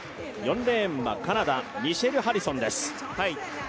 ４レーンはカナダ、ミシェル・ハリソンです。